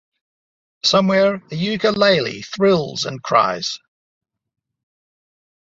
Somewhere a ukulele thrills and cries.